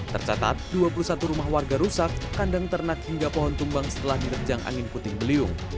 tercatat dua puluh satu rumah warga rusak kandang ternak hingga pohon tumbang setelah diterjang angin puting beliung